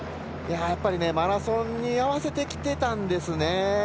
マラソンに合わせてきてたんですね。